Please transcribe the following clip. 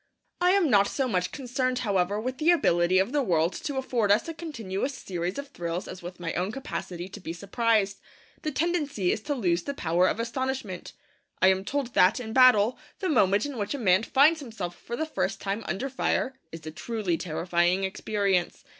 I am not so much concerned, however, with the ability of the world to afford us a continuous series of thrills as with my own capacity to be surprised. The tendency is to lose the power of astonishment. I am told that, in battle, the moment in which a man finds himself for the first time under fire is a truly terrifying experience.